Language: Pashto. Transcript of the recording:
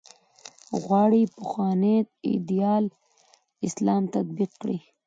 غواړي پخوانی ایدیال اسلام تطبیق کړي.